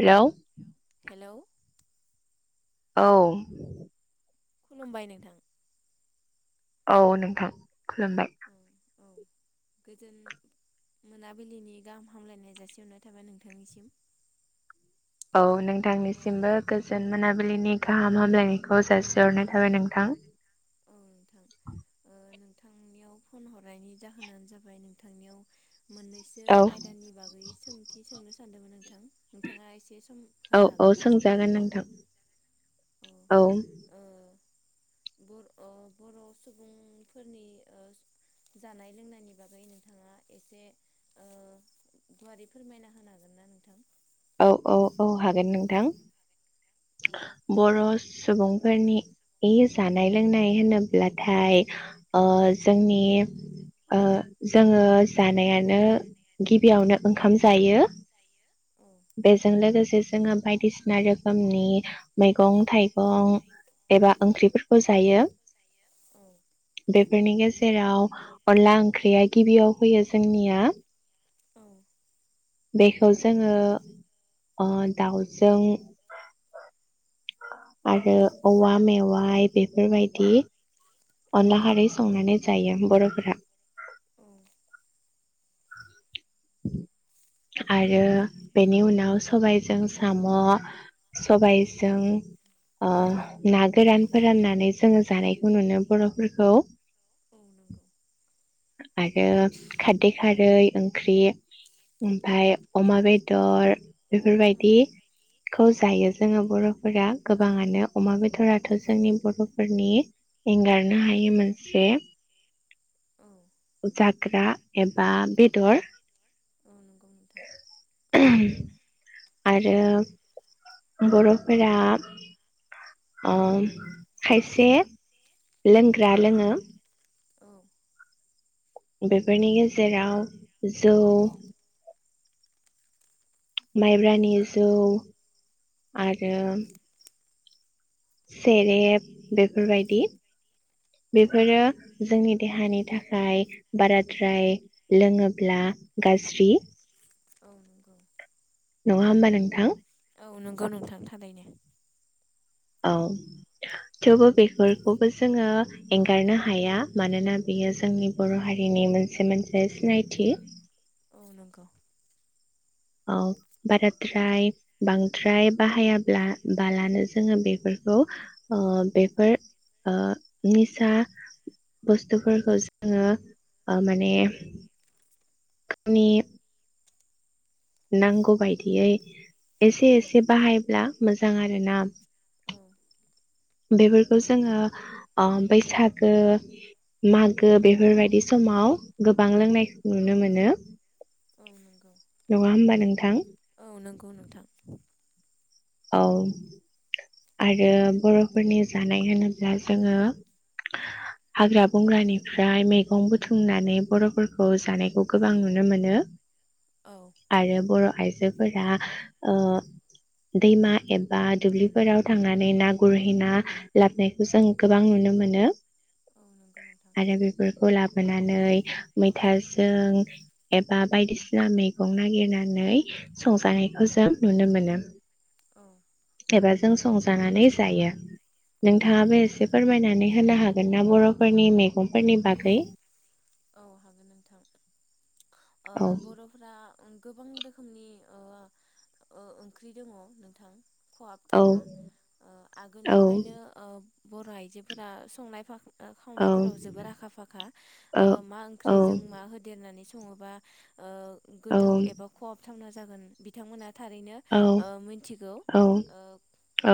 Hello hello औ खुलुमबाय नोंथां औ नोंथां खुलुमबाय औ औ गोजोन मोनाबिलिनि गाहाम हामलायनाय जासि हरनाय थाबाय नोंथांनिसिम। औ औ नोंथांनिसिमबो गोजोन मोनाबिलिनि गाहाम हामलायनायखौ जासिहरनाय थाबाय नोंथां। औ नोंथां नोंथांनियाव फन हरनायनि जाहोनानो जाबाय नोंथांनियाव मोननैसो औ आयदानि बागै सोंथि सोंनो [inaudible] नोंथां नोंथाङा एसे सम औ होनो औ हागोन ना सम सोंजागोन दङबा नोंथां औ अ बर अ बर' सुबुंफोरनि जानाय लोंनायनि बागै नोंथाङा एसे ओ गुवारै फोरमायना होनो हागोन ना नोंथां? औ औ औ हागोन नोंथां सबायजों बर' सुबुंफोरनि जानाय लोंनाय होनोब्लाथाय ओ जोंनि जोङो ओ जानायानो गिबियावनो ओंखाम जायो बेफोरबायदि बेजों लोगोसे जोंङो बायदिसिना रोखोमनि मैगं थाइगं एबा ओंख्रिफोरखौ जायो। बेफोरनि गेजेराव अनला ओंख्रिया गिबियाव फैयो जोंनियाव बेखौ जोंङो ओ दाउजों आरो औवा मेवाइ बेफोरबायदि अनला खारि संनानै जायो बर'फोरा। [inaudible] आरो बेनि उनाव सबायाइजों साम' सबायजों ओ ना गोरान फोराननानै जोंङो जानायखौ नुयो बर'फोरखौ। आरो खारदै खारै ओंख्रि ओमफाय अमा बेदर बेफोरबायदिखौ जायो जोङो बर'फोरा गोबाङानो अमा बेदराथ' जोंनि बर'फोरनि एंगारनो हायि मोनसे जाग्रा एबा बेदर। [inaudible] [unintelligible] आरो बर'फोरा अ खायसे लोंग्रा लोंङो। औ बेफोरनि गेजेराव जौ माइब्रानि जौ आरो सेरेब बेफोरबायदि औ बेफोरो जोंनि देहानि थाखाय बाराद्राय लोंङोब्ला गाज्रि। औ नंगौ। नङा होमबा नोंथां? औ नोंगौ नोंथां थारैनो। औ थेवबो बेफोरखौबो जोंङो एंगारनो हाया मानोना बेयो जोंनि बर' हारिनि मोनसे मोनसे सिनायथि। औ नंगौ। औ बाराद्राय बांद्राय बाहायाब्ला बालानो जोङो बेफोरखौ ओ बेफोर ओ निसा बुस्थुफोरखौ जोङो ओ माने गावनि नांगौ बायदियै एसे औ एसे बाहायब्ला मोजां आरोना। औ बेफोरखौ जोङो अ बैसागो मागो बेफोरबायदि समाव गोबां लोंनायखौ नुनो मोनो। ओं नं नङा होमबा नोंथां? औ नंगौ नोंथां। औ। आरो बर'फोरनि जानाय होनोब्ला जोङो हाग्रा बंग्रानिफ्राय मैगं बुथुमनानै बर'फोरखौ जानायखौ गोबां नुनो मोनो औ आरो बर'आइजोफोरा ओ दैमा एबा दुब्लि फोराव थांनानै ना गुरहै ना लाबोनायखौ जों गोबां नुनो मोनो औ नंगौ नोंथां आरो बेफोरखौ लाबोनानै मैथाजों एबा बायदिसिना मैगं नागिरनानै संजानायखौ जों नुनो मोनो। औ। [unintelligible] जों संजानानै जायो। औ नोंथाङाबो एसे फोरमायनानै होनो हागोन ना बर'फोरनि मैगंफोरनि बागै? औ हागोन नोंथां। ओ औ बर'फ्रा ओं गोबां रोखोमनि ओ ओ ओंख्रि दङ नोंथां। औ खहाबथावना ओ औ आगोलनिफ्रायनो ओ बर' आइजोफोरा संनाय [unintelligible] ओ औ खावनायफोराव जोबोर आखा फाखा। औ ओ मा औ ओंख्रिजों मा होदेरनानै सं सङोबा ओ गोथाव एबा खहाब थावना जागोन बिथांमोना थारैनो औ ओ मोनथिगौ ओ औ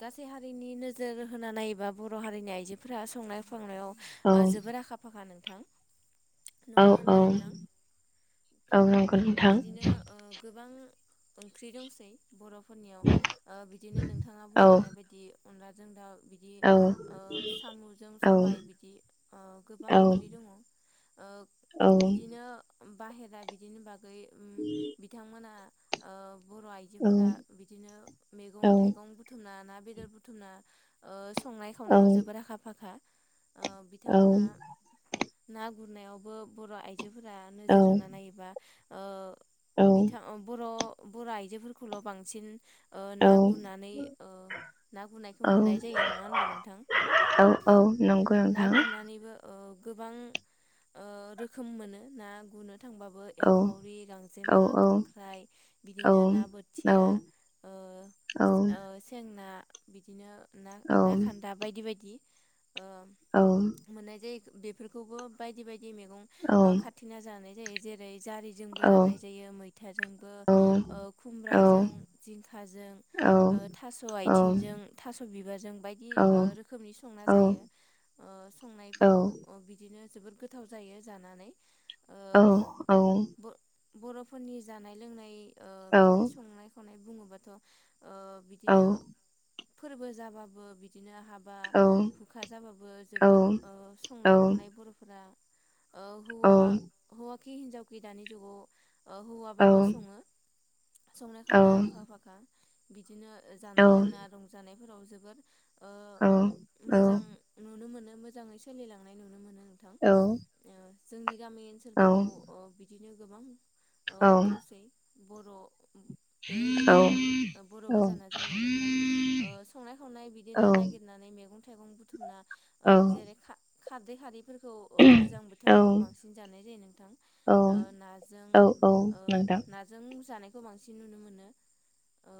गास सै हारिनि नोजोर होना नायोबा बर' हारिनि आइजोफोरा संनाय फांनायाव ओ जोबोर आखा फाखा नों थां। औ औ औ नंगौ नोंथां। बां ओंख्रि दंसै बर' फोरनियाव ओ बिदिनो नोंथाङा औ बुंलायनाय बायदि अनलाजों दाउ बिदि औ ओ सामु'जों औ सबाय बिदि ओ गोबां औ ओंख ओ बिदिनो बाहेरा बिदिनो बा गै उम बिथांमोना ओ बर' आइजोफोरा बिदिनो मैगं थाइगं बुथुमना ना बेदर बुथुमना ओ संनाय खावनायाव जोबोर आखा फाखा। ओ बिथांमोना ना गुरनायावबो बर' आइ जोफोरा नोजोर होना नायोबा ओ बिथां ओ बर' बर' आइजोफोरखौल' बांसिन ओ ना गुरनानै ओ ना गुरनायखौ औ नुनाय जायो नङा होनबा नोंथां? औ औ नंगौ ना नोंथां गुरनानैबो ओ गोबां ओ रोखोम मोनो ना गुनो थांबाबो औ औ एंखावरि गांजेमा खांख्राइ औ बिदिनो औ ना बोथिया ओ सेंना बिदिनो ना-ना औ खान्दा बायदि बायदि। औ। बे फोरखौबो बायदि बाय दि मैगं औ ओ खारथिना जानाय जायो जेरै जारिजोंबो औ जानाय जायो मैथाजोंबो औ ओ औ खुमब्राजों जिंखाजों ओ थास' आथिंजों थास' बिबारजों बायदि ओ रोखोमनि संना जायो ओ संनायफोराव बिदिनो जोबोर गोथाव जायो जानानै ओ औ औ। बर'फोरनि जानाय लोंनाय ओ बिदि संनाय खावनाय बुङोबाथ' ओ बिदिनो फोरबो जाबाबो बिदिनो हाब बा हुखा जाबाबो जोबोर ओ संनाय खवनाय बर' फोर दा औ हुवा हौवा खि हिन्जावखि दानि जुगाव अ हौवाबाबो सङो। संनाय खावनाया अखा फाखा बिदिनो जानाय लोंना रंजानाय फोराव जोबोर ओ मोजां नुनो मोनो मोजां सोलिलांनाय नुनो मोनो नोंथां ओ जोंनि गामि ओनसोलफोराव ओ बि बिदिनो गोबां औ दंसै बर' बे एरियायाव बर' गोजाना जोंनियाव नोंथां ओ संनाय खावनाय बिदिनो ननायागिरनानै मेगं थाइगं बुथुमना ओ जेरै खा खारदै खारि फोरखौ ओ गोजां बोथोराव बांसिन जानाय जायो नोंथां ओ नाजों ओ नाजों जानाय खौ बांसिन नुनो मोनो ओ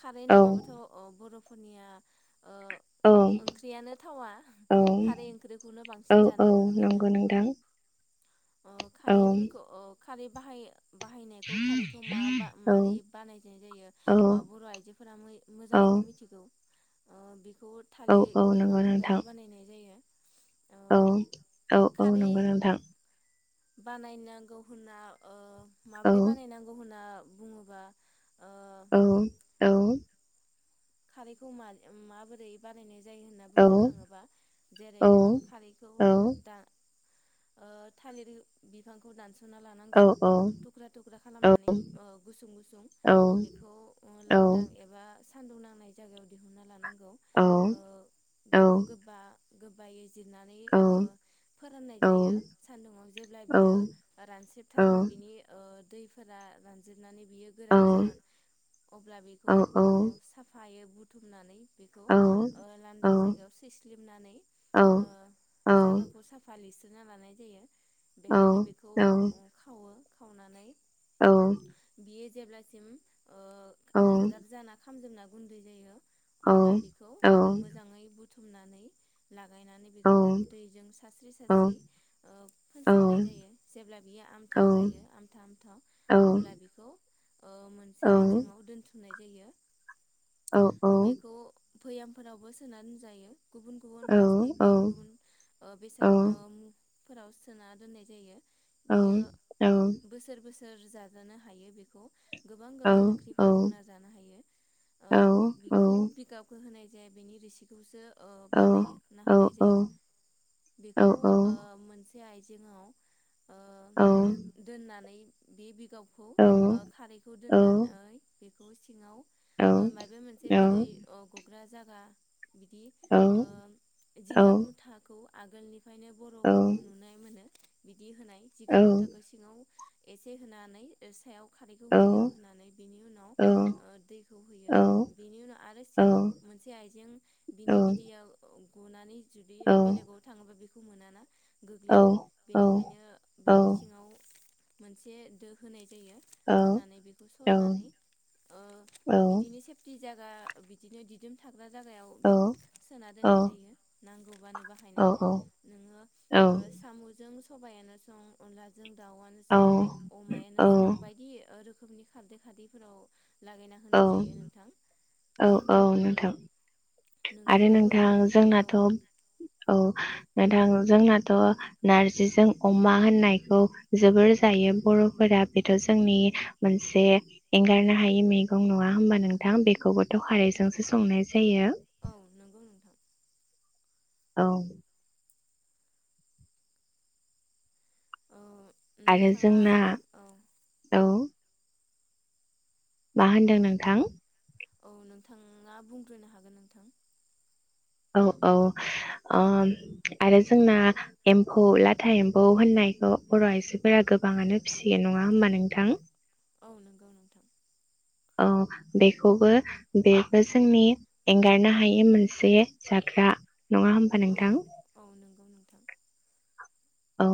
खारै नङाबाथ' ओ बर'फ फोरनिया ओ ओंख्रियानो थावा खारै ओंख्रिखौनो बांसिन जानाय नंगौ नुनो मोनो नोंथां अ औ खारैफोरखो अ खारै बाहायो औ बाहायनायखौ खारैखौ मा बा मारै बानायनाय जायो। औ ओ बर' आइजोफोरा मै औ मोजाङैनो मिथिगौ खौ औ औ थालिर नंगौ बिफांनिफ्रायबो नोंथां बानायनाय जायो ओ औ औ औ खारै नंगौ नोंथां बानायनांगौ होनना ओ औ माब्रै बानायनांगौ होनना बुङोबा ओ औ औ खारैखौ मा माबोरै बानायनाय जायो होनना औ बुंनो थाङोबा जेरै औ खारैखौ औ दा ओ थालिर बिफांखौ दानस' ना औ लानांगौ औ थुख्रा थुख्रा खालामनानै ओ गुसुं गुसुं बेखौ ओ लान्दां एबा सान्दुं नां नाय जायगायाव दिहुनना लानां औ औ गोबा गोबायै जिरनानै ओ फोराननाय जायो सान्दुुंआव जेब्ला बियो रानस्रेबथारगोन बिनि ओ दैफोरा रानजोबनानै बियो गोरान जागोन अब्ला बिखौ ओ सा हायो बुथुमनानै बेखौ ओ लांदां जायगायाव सैस्लिबनानै ओ जागाखौ साफा लि [unintelligible] लानाय जायो बेहायनो बेखौ ओ खावो खावनानै बियो जेब्लासिम ओ हांगार जाना खामजोबना गुन्दै जायो अब्ला बेखौ मोजाङै बु थुमनानै ला लागायनानै बेखौ दैजों सारस्रि सारस्रि ओ फोनस्रोननाय जायो जेब्ला बियो औ औ आमथा औ जायो आमथा आमथा औ अब्ला बिखौ ओ मोनसे आइजेंआव दोनथुमनाय जायो बेखौ भैयामफोरावबो सोना दिनजायो गुबुन गुबुन प्लास्टिक गुबुन गुबुन ओ बेसाद ओ फोराव सोना दोननाय जायो औ औ सोर जाजानो हायो बेखौ गोबां गोबां ओंख्रिफोराव होना जानो हायो ओ बिखौ बिगाब होनाय जाया बेनि रोसिखौसो ओ बानायना होनाय जायो बेखौ ओ मोन बे आइजेङाव ओ दोननानै बेबि गावखौ ओ खारैखौ दोननानै खौ सिङाव ओ माइबा मोनसे बिदै अ गग्रा जा गा बिदि ओ जिगाब मुथाखौ आगोलनिफायनो बर'फोरखौ नुनाय मोनो बिदि होनाय जिगाब मुथाखो सिङाव एस [inaudible] खारैखौ होयो होनानै बिनि उनाव ओ दै गहोयो बिनि उनाव आरो सिङाव मोनसे आइजें बिनि बिदैयाव गनानै जुदि बेलेगाव थाङोबा बे मोनाना गोग्लैयो बेनिखायनो बेनि सिङाव मोनसे दो होनाय जायो होननानै बेखौ सरनानै ओ बिदिनो सेफटि जागा बिदिनो दिदोम था जागायाव बेखौ सोना दोननाय जायो नांगौबानो बाहायनाया नोङो ओ सामुजों सबायानो सं अनलाजों दावानो सं अमायानो जों बायदि ओ रोखोमनि खारदै खारदैफोराव लागायना होनाय औ जायो नोंथां औ औ नोंथां आरो नोंथाङाबो नोंथां औ औ जोंनाथ' औ नोंथां जोंनाथ' नारजिजों अमा होननायखौ जोबोर जायो बर'फोरा बेथ' जोंनि मोनसे एंगारनो हायि मैगं नङा होमबा नोंथां बेखौबोथ' खारैजोंसो संनाय जायो औ नोंगौ नोंथां औ औ आरो नोंथाङा जोंना औ औ मा होनदों नोंथां औ नोंथाङा बुंग्रोनो हागोन नोंथां औ औ ओ आरो जोंना एम्फौ लाथा एम्फौ होननायखौ बर आइजोफोरा गोबाङानो फिसियो नङा होमबा नोंथां औ नंगौ नोंथां औ बेखौबो बेबो जोंनि एंगारनो हायि मोनसे जाग्रा नङा होमबा औ नोंथां औ नंगौ नोंथां औ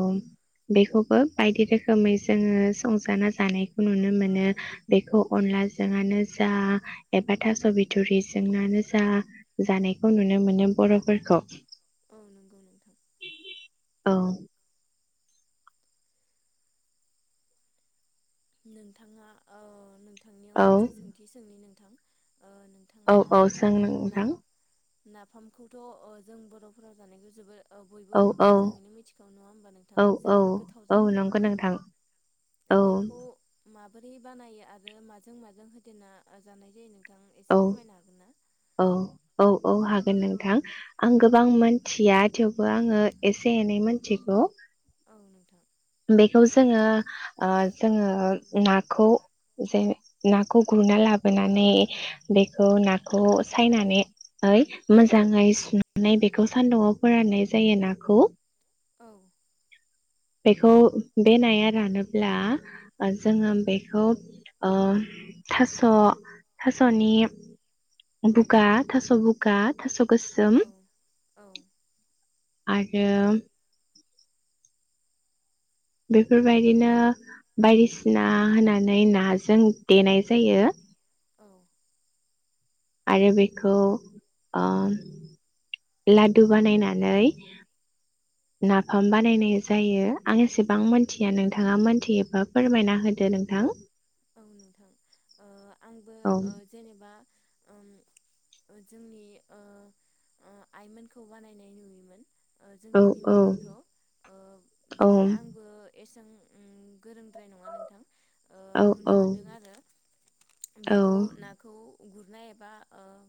बेखौबो बायदि रोखोमै जोङो संजाना जानायखौ नुनो मोनो बेखौ अनलाजोंआनो जा एबा थास बिथुरिजोंनो जा जानायखौ नुनो मोनो बरफोरखौ औ नंगौ नोंथां औ नोंथाङा औ नों थांनायाव औ मोनसे सोंथि सोंनि नों थां औ औ सों नोंथां। नाफामखौथ' अ जों बर'फोरा जानायखौ जोबोद ओ बयबो औ औ मोजाङैनो मिथिगौ नङा होमबा नोंथां औ औ जोबोर गोथाव औ जायो। नंगौ नोंथां औ बेखौ माबोरै बानायो आरो माजों माजों होदेरना जानाय जायो नों थां एसे औ फोरमायनो हागोन ना? औ औ औ हागोन नोंथां। आं गोबां मोन्थिया थेवबो आङो एसे एनै मोन्थिगौ। औ नोंथां। बेखौ जोङो ओ जोङो नाखौ जेन नाखौ गुरना लाबोनानै बेखौ नाखौ सायनानै मोजाङै सुनानै बेखौ सान्दुंआव फोराननाय जायो नाखौ। औ। बेखौ बे नाया रानोब्ला ओ जोङो बेखौ ओ थास' थास'नि बुगा थास' बुगा थास' गोसोम औ आरो बेफोरबायदिनो बायदिसिना होनानै नाजों देनाय जायो। औ। आरो बेखौ ओ लादु बानायनानै नाफाम बानायनाय जायो। आं एसेबां मोन्थिया नोंथाङा मोन्थियोबा फोरमायना होदो नोंथां। औ नोंथां। ओ आंबो औ ओ जेनेबा ओम जोंनि ओ ओ आइमोनखौ बानायनाय नुयोमोन। ओ औ जोंनि औ बिमाफोरखौ ओ बिदिनो आंबो एसां ओम गोरोंद्राय नङा नोंथां। ओ औ नुनो औ मोनदों आरो बेखौ औ नाखौ गुरनाय एबा ओ